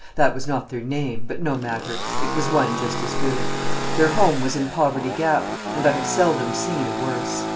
That was not their name, but no matter; it was one just as good. Their home was in Poverty Gap, and I have seldom seen a worse.